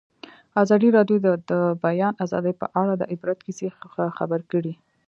ازادي راډیو د د بیان آزادي په اړه د عبرت کیسې خبر کړي.